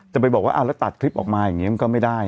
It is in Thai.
จะไปบอกว่าแล้วตัดคลิปออกมาอย่างนี้มันก็ไม่ได้